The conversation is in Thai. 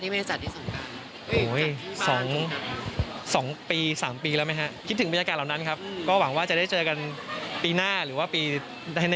มีปีแล้วนะคะที่ไม่ได้จัดที่สมการณ์